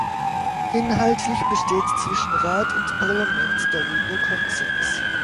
Inhaltlich besteht zwischen Rat und Parlament darüber Konsens.